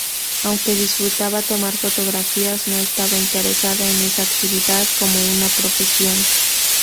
Aunque disfrutaba tomar fotografías, no estaba interesada en esa actividad como una profesión.